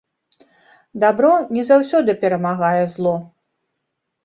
Дабро не заўсёды перамагае зло.